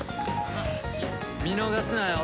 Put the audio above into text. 見逃すなよ